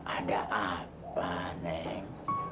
ada apa nek